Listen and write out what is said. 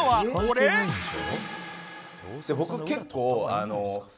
僕結構。